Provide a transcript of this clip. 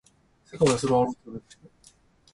世界はそれを愛と呼ぶんだぜ